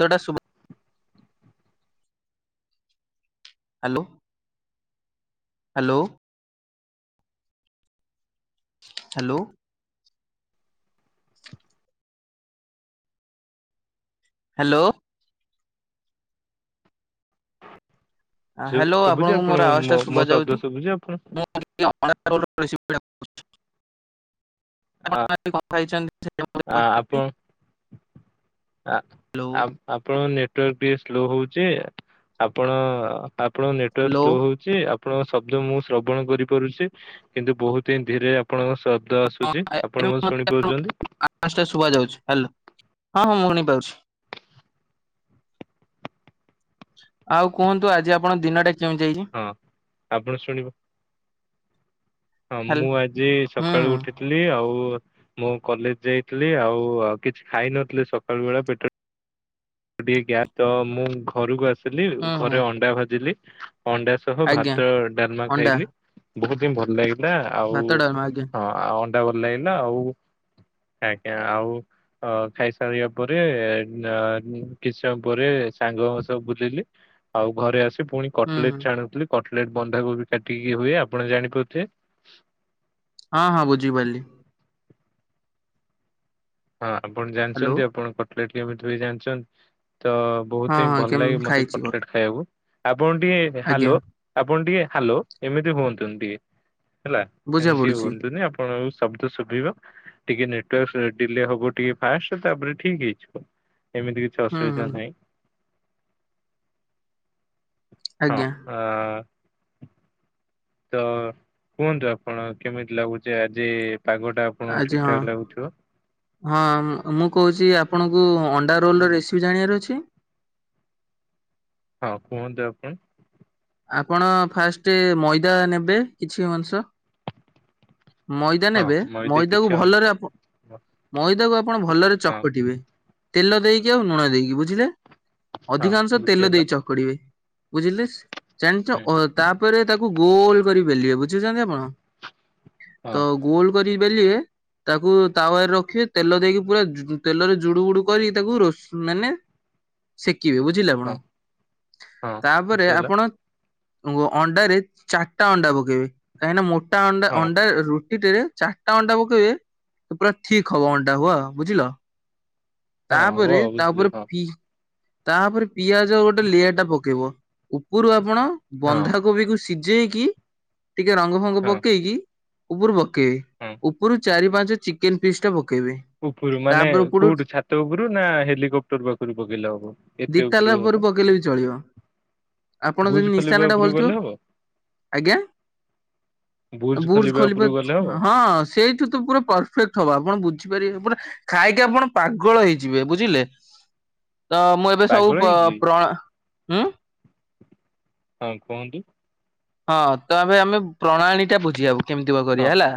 ତ ଟା ଶୁଭା ହ୍ୟାଲୋ ହ୍ୟାଲୋ। ହ୍ୟାଲୋ। ହ୍ୟାଲୋ। ଶୁ ହ୍ୟାଲୋ ଶୁଭୁଛି ଆପଣଙ୍କୁ ମୋର ଆବାଜ ମୋ ଟା ମୋ ଶୁଭା ଶବ୍ଦ ଯାଉଛି? ଶୁଭୁଛି ଆପଣ [unintelligible] ହଁ। କଥା ହେଇଛନ୍ତି ଜେ ହଁ ଆପ ହ୍ୟାଲୋ ଆପଣଙ୍କ ନେଟୱାର୍କ ଟିକେ ସ୍ଲୋ ହଉଛି ଆପଣ ଆପଣଙ୍କ ନେଟୱାର୍କ ହ୍ୟାଲୋ ସ୍ଲୋ ହଉଛି। ଚି ଆପଣଙ୍କ ଶବ୍ଦ ମୁଁ ଶ୍ରବଣ କରିପାରୁଛି କିନ୍ତୁ ବହୁତ ହିଁ ଧୀରେ ଆପଣଙ୍କ ଶ ବ୍ଦ ହଁ ଆସୁଛି ଏବେ ଆପଣ ମତେ ଶୁଣିପାରୁଛନ୍ତି। ଆବାଜ ଟା ଶୁଭା ଯାଉଛି ହାଲୋ ହଁ ହଁ ମୁଁ ଶୁଣି ପାରୁଛି। ଆଉ କୁହନ୍ତୁ ଆଜି ଆପଣ ଦିନଟା କେମିତି ଯାଇଛି। ହଁ ଆପଣ ଶୁଣିପା ହଁ ହାଲ୍ ମୁଁ ଆଜି ହୁଁ ସକାଳୁ ହୁଁ। ଉଠିଥିଲି ଆଉ। ମୁଁ କଲେଜ ଯାଇଥିଲି ଆଉ କିଛି ଖାଇନଥିଲି ସକାଳ ବେଳେ ପେଟ। ଟିକେ ଗ୍ୟାସ୍ ତ ମୁଁ ଘରକୁ ଆସି। ଲି ହୁଁ ହୁଁ ଘରେ ଅଣ୍ଡା ଭାଜିଲି ଅଣ୍ଡା ସହ ଆଜ୍ଞା ଭାତ ଡାଲମା ଅଣ୍ଡା ଖାଇଲି। ବହୁତ ହିଁ ଭଲ ଲାଗିଲା ଆଉ ଭାତ ଡାଲମା ଆଜ୍ଞା ହଁ ଆଉ ଅଣ୍ଡା ଭଲ ଲାଗିଲା ଆଉ। ଆଜ୍ଞା ଆଉ। ଅ ଖାଇସାରିବା ପରେ ଆ କିଛି ସମୟ ପରେ ସାଙ୍ଗଙ୍କ ସହ ବୁଲିଲି। ଆଉ ଘରେ ଆସି ପୁଣି ହୁଁ କଟଲେଟ୍ ହୁଁ ଛାଣୁଥିଲି କଟଲେଟ୍ ବନ୍ଧାକୋବି କାଟିକି ହୁଏ ଆପଣ ଜାଣିପାରୁଥିବେ। ହଁ ହଁ ବୁଝିପାରିଲି। ହଁ ଆପଣ ହ୍ୟାଲୋ ଜାଣିଛନ୍ତି ଆପଣ କଟଲେଟ୍ କେବେ ଠୁ ହୁଏ ଜାଣିଛନ୍ତି ତ। ହଁ ବହୁତ ହିଁ ହଁ ଭଲ କେମ ଲାଗେ ମତେ ଖାଇଛି କଟୋଲେଟ୍ ଖାଇବାକୁ। ଆପଣ ଟିକେ ଆଜ୍ଞା ହାଲୋ ଆପଣ ଟିକେ ହାଲୋ ଏମିତି ହୁଅନ୍ତୁନି ଟିକେ। ହେଲା ବୁଝା ଏମିତି ପଡୁଛି ହୁଅନ୍ତୁନି ଆପଣଙ୍କୁ ଶବ୍ଦ ଶୁଭିବ ଟିକେ ନଟେୱାର୍କ। ଡିଲେ ହବ ଟିକେ ଫାଷ୍ଟ ତାପରେ ଠିକ ହେଇଯିବ ଏମିତି କିଛି ହୁଁ ହୁଁ ଅସୁବିଧା ନାହିଁ। ହଁ ଆଜ୍ଞା ଆ। ତ କୁହନ୍ତୁ ଆପଣ କେମିତି ଲାଗୁଛି ଆଜି ପାଗଟା। ଆଜି ହଁ। ହଁ ମ ମୁଁ କହୁଛି ଆପଣଙ୍କୁ ଅଣ୍ଡା ରୋଲ ର ରେସିପି ଜାଣିବାର ଅଛି। ହଁ କୁହନ୍ତୁ ଆପଣ। ଆପଣ ଫାଷ୍ଟ ମଇଦା ନେବେ କିଛି ଅଂସ। ମଇଦା ହଁ ନେବେ ମଇଦା କିଛି ମଇଦାକୁ ଅନ୍ ଭଲରେ ଆପ ମଇଦାକୁ ଆପଣ ଭଲରେ ହଁ ଚକଟିବେ। ତେଲ ଦେଇକି ଆଉ ଲୁଣ ଦେଇକି ବୁଝିଲେ ହଁ ଅଧିକାଂଶ ତେଲ ବୁଝିହେଲା ଦେଇ ଚକଡିବେ। ବୁଝିଲେସ ଜାଣିଛ ହୁଁ ତାପରେ ତାକୁ ଗୋଲ କରି ବେଲିବେ ବୁଝୁଛନ୍ତି ଆପଣ। ହଁ ତ ଗୋଲ କରି ବେଲିବେ। ତାକୁ ତାୱରେ ରଖିବେ ତେଲ ଦେଇକି ପୁରା ତେଲରେ ଜୁଡୁ ବୁଡୁ କରି ତାକୁ ରୋଷ ମାନେ। ଶେକିବେ ବୁଝିଲେ ଆପଣ ହଁ ହଁ ତାପରେ ବୁଝିହେଲା ଆପଣ। ଅଣ୍ଡାରେ ଚାରିଟା ଅଣ୍ଡା ପକେଇବେ କାହିଁକିନା ମୋଟା ଅଣ୍ଡା ହଁ ଅଣ୍ଡା ରୁ ଟି ଟେରେ ଚାରିଟା ଅଣ୍ଟା ପକେଇବେ ସେ ପୁରା ଥିକ୍ ହବ ଅଣ୍ଟା ହୁଅ ବୁଝିଲ। ହଁ ବ ତାପରେ ତା ବୁଝିଲି ଉପରେ ହଁ। ପି ତାପରେ ପିଆଜ ଗୋଟେ ଲେୟର ଟା ପକେଇବ ଉପରୁ ଆପଣ ହଁ ବନ୍ଧାକୋବିକୁୁ। ସିଝେଇକି ଟିକେ ରଙ୍ଗ ଫଙ୍ଗ ହଁ ପକେଇକି। ଉପରୁ ପକେଇବେ ହଁ ଉପରୁ ଚାରି ପାଞ୍ଚ ଚିକେନ ପିସ୍ ଟା ପକେଇବେ। ଉପରୁ ମାନେ ତାପରେ ଉପରୁ କୋଉଠୁ ଛାତ ଉପରୁ ନା ହେଲିକପ୍ଟର ପାଖରୁ ପକେଇଲା ହବ। ଏତେ ଦିତାଲା ଉପରୁ ହବ ପକେଇଲେ ବି ଚଳିବ। ଆପଣ ଭୁଜ ଯଦି ଖଲିବା ନିଶାନା ଟା ଉପରୁ ଭଲଥିବ ଗଲେ ହବ ଆଜ୍ଞା। ଭୁଜ ବୁର୍ଜ ଖଲିବା ଖଲିଫା ଉପରୁ ଗଲେ ହବ ହଁ। ସେଇଠୁ ତ ପୁରା ପରଫେକ୍ଟ ହବା ଆପଣ ବୁଝିପାରିବେ ପୁରା ଖାଇକି ଆପଣ ପା ଗଳ ହେଇଯିବେ ବୁଝିଲେ ତ ମୁଁ। ଏ ବେ ସବୁ ପାଗଳ ପ ହେଇଛି ପ୍ରଣ ହୁଁ। ହଁ କୁହନ୍ତୁ ହଁ ତ ଏବେ ଆମେ ପ୍ରଣାଳୀ ଟା ବୁଝିଆବୁ କେମିତି କଁ ହଁ କରିବା ହେଲା।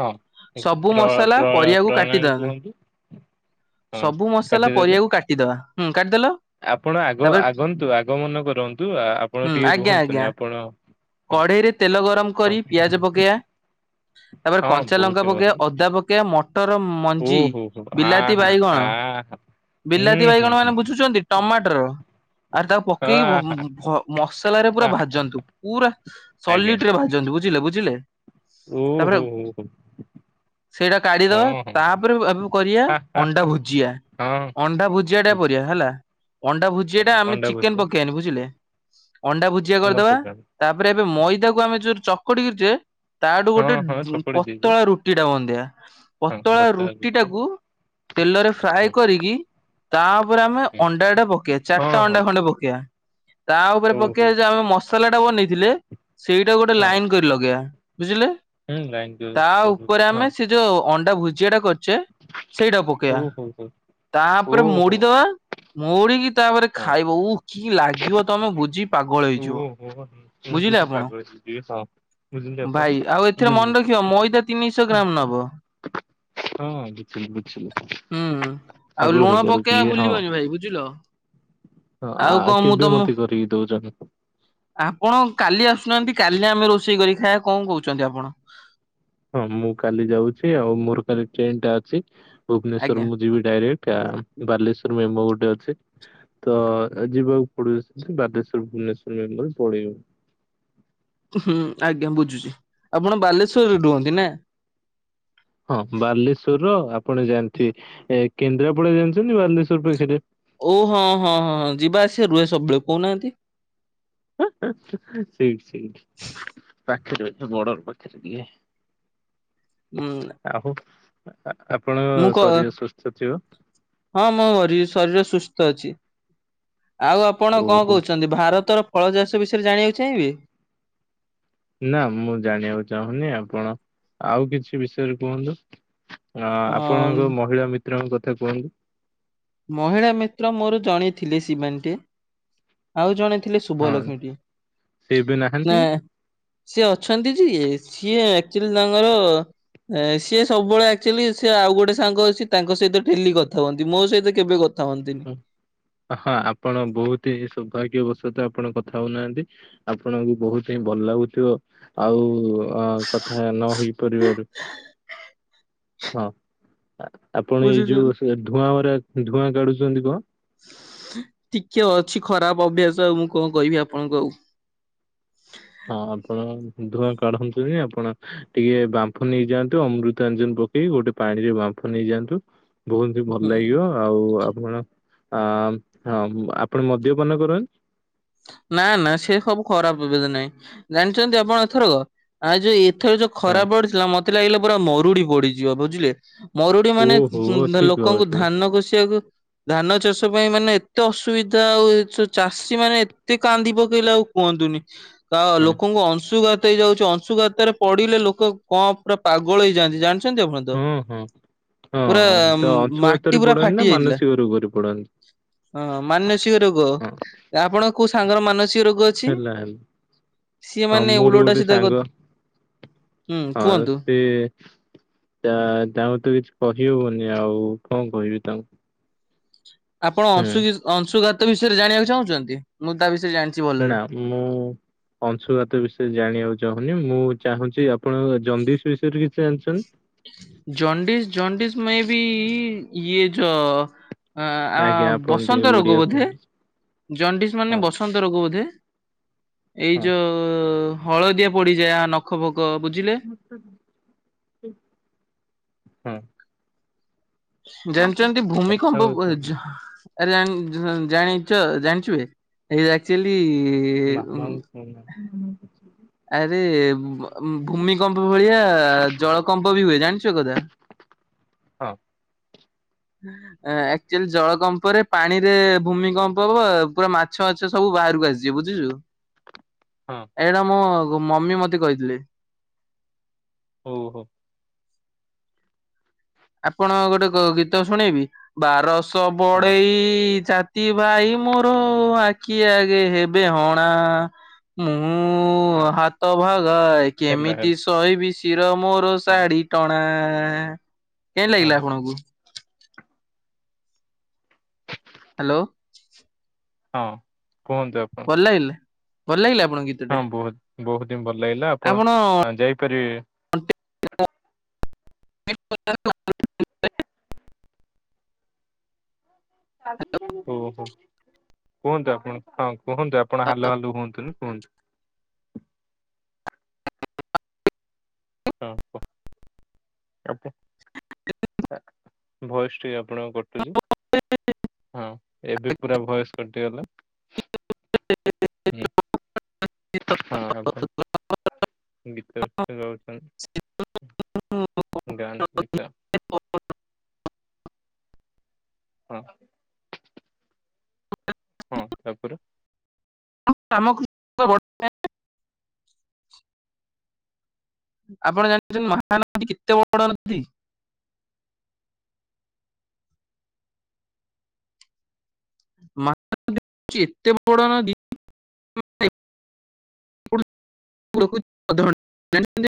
ହଁ ସବୁ ପ୍ର ମସଲା ପ୍ର ପରିବାକୁ କାଟି ପ୍ରଣାଳୀ ଦା କୁହନ୍ତୁ ହଁ ସବୁ ମସଲା କାଟିଦେଲେ ପରିବାକୁ କାଟି ଦବା ହୁଁ କାଟିଦେଲ। ଆପଣ ଆଗ ତାପରେ ଆଗନ୍ତୁ ଆଗମନ କରନ୍ତୁ ଆପଣ ହୁଁ ଟିକେ ଆଜ୍ଞା ଆଜ୍ଞା ରୁହନ୍ତୁନି ଆପଣ। କଢେଇରେ ତେଲ ଗରମ କରି ପିଆଜ ପକେଇବା ତାପରେ ହଁ କଞ୍ଚା ବହୁତ ଲଙ୍କା ହିଁ ଭଲ ପକେଇବା ଅଦା ପକେଇବା। କେ ମଟର ମଞ୍ଜି ଓହୋ ହୋ ଆ ବିଲାତି ହା ବାଇଗଣ [unintelligible] ହୁଁ ବିଲାତି ହୁଁ ବାଇଗଣ ହୁଁ ମାନେ ବୁଝୁଛନ୍ତି ଟମାଟ୍ର। ଆରେ ତାକୁ ଆ ପକେଇକି ହା [unintelligible] ଭ ମସଲାରେ ହା ପୁରା ଭାଜନ୍ତୁ ପୁରା ସଲିଟ୍ ରେ ଭାଜନ୍ତୁ ବୁଝିଲେ ବୁଝିଲେ। ଓ ତାପରେ ହ ହ ହ। ସେଇଟା କାଢିଦବା ତାପରେ [unintelligible] କରିଆ ହା ହା ଅଣ୍ଡା ଭୁଜିଆ। ହଁ ଅଣ୍ଡା ଭୁଜିଆ ଟା ବୁଝି ପରିବା ହେଲା ଅଣ୍ଡା ଭୁଜିଆ ଟା ଆମେ ଅଣ୍ଡା ଚିକେନ୍ ଭୁଜିଆ ପକେଇବାନି ବୁଝିଲେ। ଅଣ୍ଡା ଭୁଜିଆ ଚୁନା କରିଦବା ପକାନ୍ତି। ତାପରେ ଏବେ ମଇଦାକୁ ଆମେ ଯୋ ଚକଡିି ଚେ ତାଠୁ ହଁ ଗୋଟେ ହଁ ଉଁ ଚକୁଳି ଦେଇଦିଏ ପତଳା ରୁଟି ଟା ବନ୍ଧେଆ ହଁ ପତଳା ବତା ଗୋଟେ ରୁଟିଟାକୁ ତେଲରେ ଫ୍ରାଏ ହଁ କରିକି ତାପରେ ଆମେ ହୁଁ ଅଣ୍ଡା ଟା ପକେଇଆ ହଁ ଚାରଟା ହଁ ଅଣ୍ଡା ଖଣ୍ଡେ ପକେଇଆ। ତା ଉପରେ ହଉ ପକେଇଆ ହଉ ଏ ଯେ ଆମେ ମସଲାଟା ବନେଇଥିଲେ ସେଇଟା ଗୋଟେ ଲାଇନ୍ କରି ଲଗେଇଆ ବୁଝିଲେ। ହଁ ଲାଇନ୍ [unintelligible] ହଁ। ଯୋ ଅଣ୍ଡା ଭୁଜିଆଟା କରଚେ ସେଇଟା ପକେଇଆ। ହୁଁ ହୁଁ। ତାପରେ ମୋଡିଦବା ମୋଡିକି ତାପରେ ହଁ ଖାଇବ ଉ କି ଲାଗିବ ତମେ ବୁଝି ପାଗଳ ହେଇଯିବ। ବୁଝିଲେ [unintelligible] ଆପଣ ପାଗଳ [unintelligible] ଯେ ହଁ। ବୁଝିଲେ ଆପଣ? ଭାଇ ଆଉ ଏଥିର ବୁଝିଲି ମନ୍ ରଖିବ ମଇଦା ତିନିଶ ଗ୍ରାମ୍ ନବ। ହଁ ବୁଝିଲୁ ବୁଝିଲୁ। ହୁଁ ଆଉ ଲୁଣ ପକେଇଆ ଟିକେ ହଁ ଭୁଲିବନି ଭାଇ ବୁଝିଲ। ହଁ ଆଉ ଆ କଣ ମୁଁ କେବେ ତମ ମତେ କରିକି ଦଉଚନ୍? ଆପଣ କାଲି ଆସୁନାହାନ୍ତି କାଲି ଆମେ ରୋଷେଇ କରି ଖାଇଆ କଣ କହୁଚନ୍ତି ଆପଣ? ହଁ ମୁଁ କାଲି ଯାଉଛି ଆଉ ମୋର କାଲି ଟ୍ରେନ ଟା ଅଛି ଆଜ୍ଞା ଭୁବନେଶ୍ୱର ମୁଁ ଯିବି ଡାଇରେକ୍ଟ ଆ ବାଲେଶ୍ଵର ମେମ ଗୋଟେ ଅଛି। ତ ଯିବାକୁ ପଡୁ ସେମତି ବାଦେଶ୍ଵର ଭୁବନେଶ୍ଵର ମେମୁ ରେ ପଳେଇିବି ମୁଁ। ହୁଁ ଆଜ୍ଞା ବୁଝୁଛି ଆପଣ ବାଲେଶ୍ଵରରେ ରୁହନ୍ତି ନା? ହଁ ବାଲେଶ୍ଵରର ଆପଣ ଜାଣିଥିବେ ଏ କେନ୍ଦ୍ରାପଡା ଜାଣିଚନ୍ତି ବାଲେଶ୍ୱର ପାଖରେ? ଓ ହଁ ହଁ ହଁ ଯିବା ଆସିବା ରୁହେ ସବୁବେଳେ କହୁନାହାନ୍ତି। [unintelligible] ସେଇଠି ସେଇଠି ପାଖରେ [unintelligible] ବଡର ପାଖରେ ଇଏ। ହୁଁ ଆଉ ଆପଣଙ୍କ ମୁଁ କ ଶରୀର ସୁସ୍ଥ ଥିବ। ହଁ ମୋ ମରି ଶରୀର ସୁସ୍ଥ ଅଛି ଆଉ ଆପଣ କଣ ଓହୋ କହୁଚନ୍ତି ଭାରତର ଫଳ ଚାଷ ବିଷୟରେ ଜାଣିବାକୁ ଚାହିଁବି? ନା ମୁଁ ଜାଣିବାକୁ ଚାହୁଁନି ଆପଣ ଆଉ କିଛି ବିଷୟରେ କୁହନ୍ତୁ। ଅଂ ଅ ଆପଣଙ୍କ ମହିଳା ମିତ୍ରଙ୍କ କଥା କୁହନ୍ତୁ। ମହିଳା ମିତ୍ର ମୋର ଜଣ ଥିଲେ ଶିବାନୀ ଟିଏ। ଆଉ ଜଣେ ଥିଲେ ହଁ ଶୁଭଲକ୍ଷ୍ମୀ ଟିଏ ସେ ଏବେ ନାହାନ୍ତି। ନା ସିଏ ଅଛନ୍ତି ଯେ ସିଏ ଏକ୍ଚୁଆଲି ତାଙ୍କର [unintelligible] ସିଏ ସବୁବେଳେ ଆକ୍ଚୁଆଲି ସିଏ ଆଉ ଗୋଟେ ସାଙ୍ଗ ଅଛି ତାଙ୍କ ସହିତ ଡେଲି କଥା ହୁଅନ୍ତି ମୋ ସହିତ କେବେ କଥା ହୁଅନ୍ତିନି। ହଁ ଆପଣ ବହୁତ ହିଁ ସୌଭାଗ୍ୟବଶତ ଆପଣ କଥା ହଉ ନାହାନ୍ତି। ଆପଣଙ୍କୁ ବହୁତ ହିଁ ଭଲ ଲାଗୁଥିବ ଆଉ ଅଂ କଥା ନ ହେଇପାରିବାରୁ। ହଁ ଆପଣ ଏଇ ବୁଝୁଛନ୍ତି। ଯୋଉ ସେ ଧୂଆଁ ଭରା ଧୂଆଁ କାଢୁଛନ୍ତି କଣ? ଟିକେ ଅଛି ଖରାପ ଅଭ୍ୟାସ ଆଉ ମୁଁ କଣ କହିବି ଆପଣଙ୍କୁ ଆଉ। ହଁ ଆପଣ ଧୂଆଁ କାଢନ୍ତୁନି ଆପଣ ଟିକେ ବାମ୍ଫ ନେଇଯାଆନ୍ତୁ ଅମୃତାଞ୍ଜନ୍ ପକେଇ ଗୋଟେ ପାଣିରେ ବାମ୍ଫ ନେଇଯାଆନ୍ତୁ। ବହୁତ ହି ଭଲ ହୁଁ। ଲାଗିବ ଆଉ ଆପଣ ଆ ହଁ ଆପଣ ମଦ୍ୟପାନ କରନ୍? ନା ନା ସେ ସବୁ ଖରାପ [unintelligible] ନାଇଁ ଜାଣିଛନ୍ତି? ଆପଣ ଏଥର କ ଆଉ ଯୋଉ ଏଥର ଯୋ ଖରା ପଡିଥିଲା ମତେ ଲାଗିଲା ପୁରା ମରୁଡି ପଡିଯିବ। ବୁଝିଲେ ମରୁଡି ହଁ ମାନେ ଓହୋ ଠିକ ଲୋକଙ୍କୁ ଭାବୁଥିଲେ ଧାନ କଷିବାକୁ ଧାନ ଚାଷ ପାଇଁ ମାନେ ଏତେ ଅସୁବିଧା ଆଉ ଏ ଚୋ ଚାଷୀ ମାନେ ତେ କାନ୍ଦି ପକେଇଲେ ଆଉ କୁହନ୍ତୁନି। ହଁ ଲୋକଙ୍କୁ ଅଂଶୁଘାତ ତ ହେଇଯାଉଛି ଅଂଶୁଘାତାରେ ପଡିଲେ ଲୋକ କଣ ପୁରା ପାଗଳ ହେଇଯାଆନ୍ତି। ଜାଣି ଚନ୍ତି ଆପଣ ତ? ହଁ ହଁ। ପୁରା ହଁ ତ ମାଟି ଅଂଶୁଘାତରେ ପୁରା ପଡନ୍ତି ଫାଟି ନା ଯାଇଥିଲା। ମାନସିକ ରୋଗରେ ପଡ଼ନ୍ତ ହଁ ମାନସିକ ରୋଗ ଆପଣ କୋଉ ସାଙ୍ଗର ମାନସିକ ରୋଗ ଛି ହେଲା ହେଲା ସିଏ ହଁ ମାନେ ମୋର ଉଲୁଟା ଗୋଟେ ସିଧା କଥ୍ ସାଙ୍ଗ ହଁ ସେ ତା ତାଙ୍କୁ ତ କିଛି କହିହବନି ଆଉ କଣ କହିବି ତାଙ୍କ ଆପଣ ଅଂଶୁ ଘୁସ ଅଂଶୁଘାତ ବିଷୟରେ ଜାଣିବାକୁ ଚାହୁଁଛନ୍ତି? ମୁଁ ତା ବିଷୟରେ ଜାଣି ନା ମୁଁ ଅଂଶୁଘାତ ବିଷୟରେ ଜାଣିବାକୁ ଚାହୁନି। ମୁଁ ଚାହୁଁଛି ପଣ ଜନଦିସ୍ ବିଷୟରେ କିଛି ଜଣିଛନ୍ତ ଜନ୍ଡିସ୍ ଜନ୍ଡିସ୍ ମେ ବି ଇଏ ଯ ଆ ଆ ଆଜ୍ଞା ଆପଣ ଟିକେ ବସନ୍ତ ରୋଗ ଓଡିଆ ବୋଧେ? କୁହନ୍ତୁ। ଜଣ୍ଡିସ୍ ମାନେ ହଁ ବସନ୍ତ ରୋଗ ବୋଧେ? ଏଇ ହଁ ଯୋଉ ହଳଦିଆ ପଡ଼ିଯାଏ ଆ ନଖ ଫକ ବୁଝିଲେ। [inaudible] ହଁ ଜାଣିଛନ୍ତି କଥା ଭୂମିକମ୍ପ ହଉଛ [unintelligible] ଆରେ ଜାନ ଜନ ଜାଣିଚ ଜାଣିଚୁ ବେ ଏଇ ଅକ୍ଚୁଆଲି ମାମା ଙ୍କୁ କୋହୁ ନାହାନା ଆରେ ଭ ଭୂମିକମ୍ପ ଭଳିଆ ଜଳକମ୍ପ ବି ହୁଏ। ଜାଣିଛ କଥା? ହଁ ଆକ୍ଚୁଆଲି ଜଳ କମ୍ପରେ ପାଣିରେ ଭୂମି କମ୍ପ ହବ ପୁରା ମାଛ ବାଛ ସବୁ ବାହାରକୁ ଆସିଯିବେ। ବୁଝିଲୁ ହୁଁ ଏଇଟା ମୋ ମମି ମତେ କହିଥିଲେ। ହୋଉ ହୋଉ। ଆପଣ ଗୋଟେ ଗୋଟେ ଗୀତ ଶୁଣେଇବି ବାରସ ହଁ ବଡେଇ ଚା [unintelligible] ଭାଇ ମୋର ଆଖି ଆଗେ ହେବେ ହଣା। ମୁଁ ହଁ ହାତ ଭାଗା ହେଲା କେମିତି ହେଲା ଶହିବି ଶିର ମୋର ସା ହଁ ଶାଢୀ ଟଣା। କେମତି ହଁ ଲାଗିଲା ଆପଣଙ୍କୁ? ହ୍ୟାଲୋ ହଁ କୁହନ୍ତୁ। ଆ ଲାଗିଲେ ଭଲ ଲାଗିଲା ଆପଣଙ୍କୁ କି ହଁ ବହୁତ ବହୁତ ହିଁ ଭଲ ଲାଗିଲା ଆପଣ ଆ ଯାଇପାରିବେ [unintelligible] ଓ ହୋ କୁହନ୍ତୁ ଆପଣ? ହଁ କୁହନ୍ତୁ ଆପଣ ହାଲୋ ହାଲୋ ହୁଅନ୍ତୁନି କୁହନ୍ତୁ। [inaudible] [unintelligible] ଭଏସ୍ ଟିକେ ଆପଣଙ୍କର କଟୁଚି ହଁ ଏବେ ପୁରା ଭଏସ୍ କଟିଗଲା। ହୁଁ ହଁ [unintelligible] ଗିତ ସେ ଗାଉଛନ୍ତି [unintelligible] [inaudible] ହଁ ତ ହୁଁ ତାପରେ? [inaudible] ଆପଣ ଜାଣିଛନ୍ତି ମହାନଦୀ କେତେ ବଡ ନଦୀ? ମହାନଦୀ ହଉଚି ଏତେବଡ ନଦୀ ମାନେ [inaudible] ରଖଧଘ [inaudible]